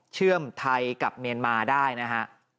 เชื่อมไทยกับเมียนมาได้นะฮะ